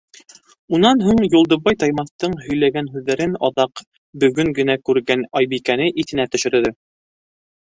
Унан һуң Юлдыбай Таймаҫтың һөйләгән һүҙҙәрен, аҙаҡ, бөгөн генә күргән Айбикәне иҫенә төшөрҙө.